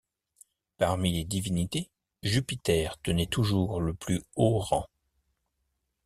Parmi les divinités, Jupiter tenait toujours le plus haut rang.